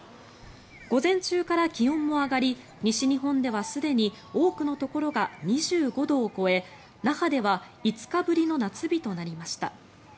午前中から気温も上がり西日本ではすでに多くのところが２５度を超え那覇では５日ぶりの夏日となりました。